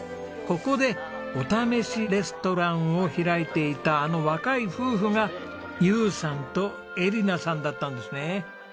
ここでお試しレストランを開いていたあの若い夫婦が友さんと恵梨奈さんだったんですね！